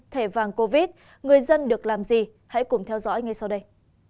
thẻ vàng covid người dân được làm gì hãy cùng theo dõi ngay sau đây